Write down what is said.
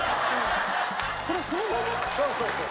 そうそうそう。